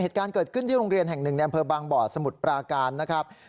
เหตุการณ์เกิดขึ้นที่โรงเรียนแห่ง๑แดมเพอร์บางบ่อสมุดปราการนะครับ